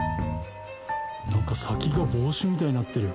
なんか先が帽子みたいになってる。